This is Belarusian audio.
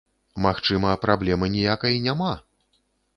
Магчыма, праблемы ніякай няма?